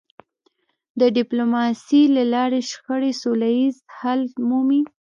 د ډيپلوماسی له لارې شخړې سوله ییز حل مومي.